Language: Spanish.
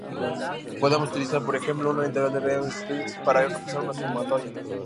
Podemos utilizar, por ejemplo, una integral de Riemann-Stieltjes para reemplazar una sumatoria.